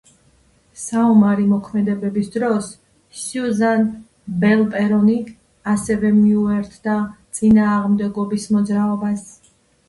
საომარი მოქმედებების დროს სიუზან ბელპერონი ასევე მიუერთდა წინააღმდეგობის მოძრაობას.